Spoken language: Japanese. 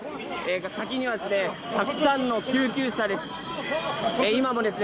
先にはたくさんの救急車です。